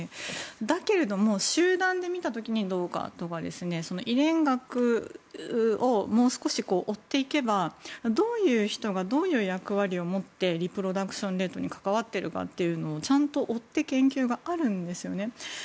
だけども、集団で見た時にどうかとか遺伝学をもう少し追っていけばどういう人がどういう役割を持ってリプロダクションレートに関わってるかをちゃんと追って研究があるんですよね。